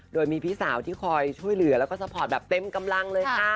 โดยมีพี่สาวที่คอยช่วยเหลือแล้วก็ซัพพอร์ตแบบเต็มกำลังเลยค่ะ